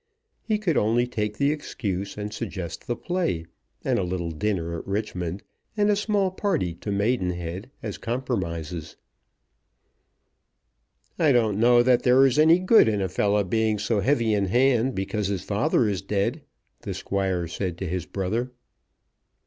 He could only take the excuse, and suggest the play, and a little dinner at Richmond, and a small party to Maidenhead as compromises. "I don't know that there is any good in a fellow being so heavy in hand because his father is dead," the Squire said to his brother.